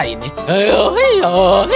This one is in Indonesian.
kau bisa membuatnya